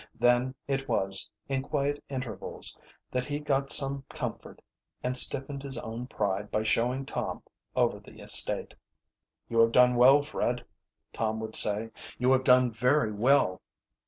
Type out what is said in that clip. Then it was, in quiet intervals, that he got some comfort and stiffened his own pride by showing Tom over the estate. "You have done well, Fred," Tom would say. "You have done very well."